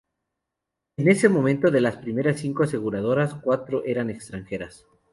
En ese momento de las primeras cinco aseguradoras, cuatro eran extranjeras.